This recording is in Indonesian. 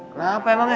kenapa emang ya